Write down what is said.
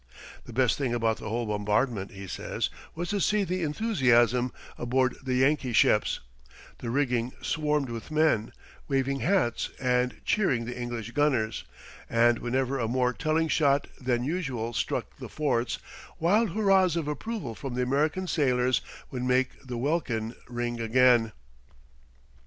"The best thing about the whole bombardment," he says, "was to see the enthusiasm aboard the Yankee ships; the rigging swarmed with men, waving hats and cheering the English gunners, and whenever a more telling shot than usual struck the forts, wild hurrahs of approval from the American sailors would make the welkin ring again."